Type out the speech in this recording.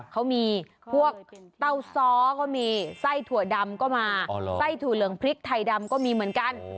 เขามีพวกเต้าซ้อก็มีไส้ถั่วดำก็มาไส้ถั่วเหลืองพริกไทยดำก็มีเหมือนกัน